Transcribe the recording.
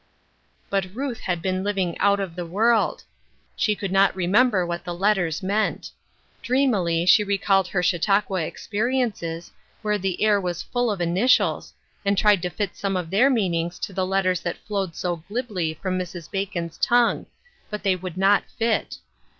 But Ruth had been living out of the world. She could not remember what the letters meant. Dreamily, she recalled her Chautauqua experiences, 120 COMING TO AN UNDERSTANDING. where the air was full of initials, and tried to fit some of their meanings to the letters that flowed so glibly from Mrs. Bacon's tongue, but they would not fit.